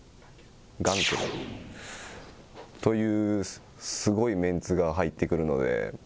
ガンケルというすごいメンツが入ってくるので。